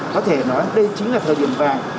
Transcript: có thể nói đây chính là thời điểm vàng